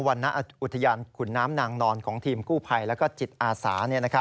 รณอุทยานขุนน้ำนางนอนของทีมกู้ภัยและจิตอาสา